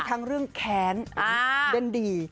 ทั้งเรื่องแค้นเล่นดี